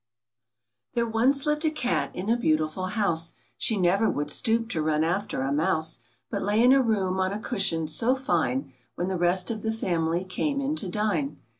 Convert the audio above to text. THERE once lived a Cat in a beautiful house ; She never would stoop to run after a mouse, But lay in a room on a cushion so fine, When the rest of the family came in to dine.